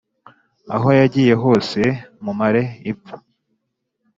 aho yagiye hose mumare ipfa